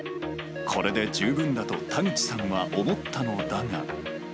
これで十分だと田口さんは思ったのだが。